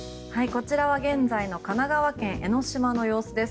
こちらは現在の神奈川県・江の島の様子です。